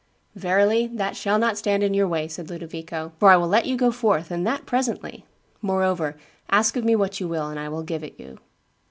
'Verily, that shall not stand in your way,' said Ludovico, 'for I will let you go forth, and that presently. Moreover, ask of me what you will, and I will give it you.